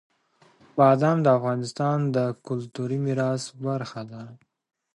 بادام د افغانستان د کلتوري میراث برخه ده.